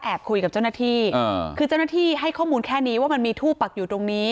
คุยกับเจ้าหน้าที่คือเจ้าหน้าที่ให้ข้อมูลแค่นี้ว่ามันมีทู่ปักอยู่ตรงนี้